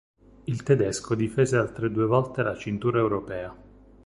Il tedesco difese altre due volte la cintura europea.